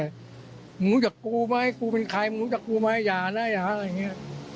มึงอยากกูไหมกูเป็นใครมึงรู้จักกูไหมอย่านะอย่าหาอะไรอย่างนี้